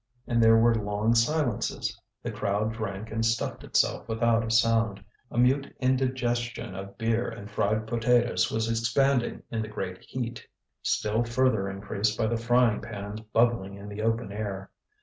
And there were long silences; the crowd drank and stuffed itself without a sound; a mute indigestion of beer and fried potatoes was expanding in the great heat, still further increased by the frying pans bubbling in the open air.